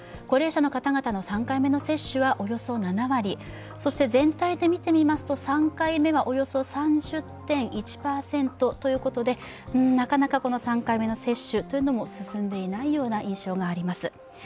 高齢者の方々の３回目の接種はおよそ７割全体で見てみますと３回目はおよそ３０．１％ということでなかなか、３回目の接種というのも進んでいないような印象があります。